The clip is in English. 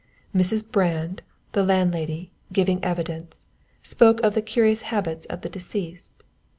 _ "_Mrs. Brand, the landlady, giving evidence, spoke of the curious habits of the deceased.